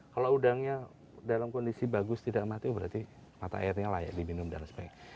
kalau udangnya dalam kondisi bagus tidak mati berarti mata airnya layak diminum dan sebagainya